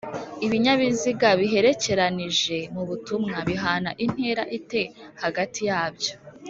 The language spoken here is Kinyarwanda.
Ibinyabiziga biherekeranije mubutumwa bihana intera ite hagatiyabyo